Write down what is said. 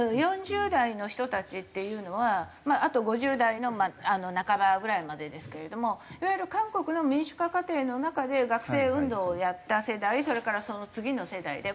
４０代の人たちっていうのはあと５０代の半ばぐらいまでですけれどもいわゆる韓国の民主化過程の中で学生運動をやった世代それからその次の世代で。